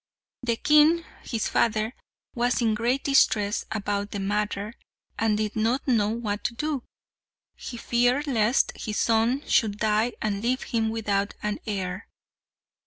The king, his father, was in great distress about the matter, and did not know what to do. He feared lest his son should die and leave him without an heir.